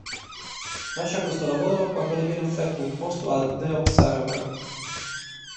Lascia questo lavoro quando le viene offerto un posto al "The Observer".